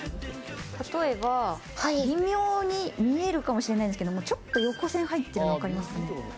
例えば微妙に、見えるかもしれないですけど、ちょっと横線が入っています。